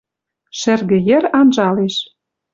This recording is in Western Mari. Шӹргӹ йӹр анжалеш.